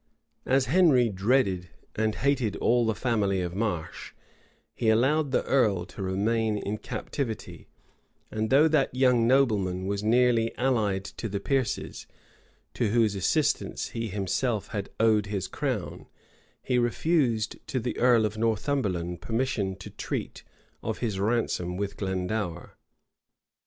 [] As Henry dreaded and hated all the family of Marche, he allowed the earl to remain in captivity; and though that young nobleman was nearly allied to the Piercies, to whose assistance he himself had owed his crown, he refused to the earl of Northumberland permission to treat of his ransom with Glendour.